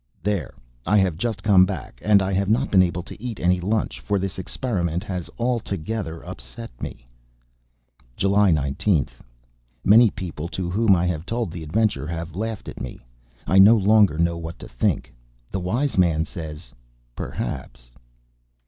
There! I have just come back, and I have not been able to eat any lunch, for this experiment has altogether upset me. July 19th. Many people to whom I have told the adventure have laughed at me. I no longer know what to think. The wise man says: Perhaps?